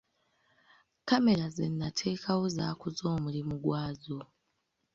Kkamera ze nateekawo zaakoze omulimu gwazo.